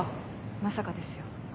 まさかですよ。